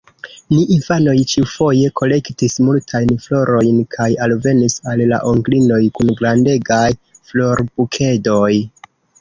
Ni infanoj ĉiufoje kolektis multajn florojn kaj alvenis al la onklinoj kun grandegaj florbukedoj.